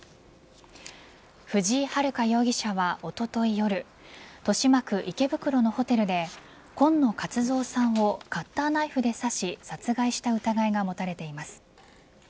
藤井遥容疑者は、おととい夜豊島区池袋のホテルで今野勝蔵さんをカッターナイフで刺し殺害した疑いが持たれています。